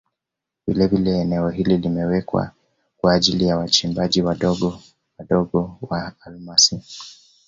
Vilevile eneo hili limewekwa kwa ajili ya wachimbaji wadogo wadogo wa almasi